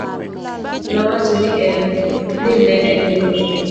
Nowacho ne en owuon.